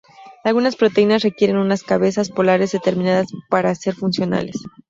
Algunas proteínas requieren unas cabezas polares determinadas para ser funcionales.